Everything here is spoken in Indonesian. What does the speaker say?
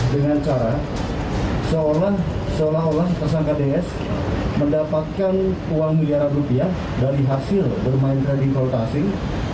dengan cara seolah olah tersangka ds mendapatkan uang miliaran rupiah dari hasil bermain trading call asing